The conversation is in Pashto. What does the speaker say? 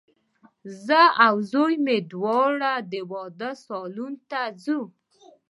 زه او زوی مي دواړه د واده سالون ته ځو